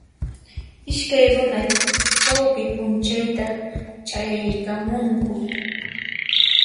Iskay runa chawpi p'unchayta chayaykamunku